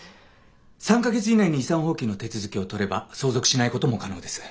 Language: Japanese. ３か月以内に遺産放棄の手続きを取れば相続しないことも可能です。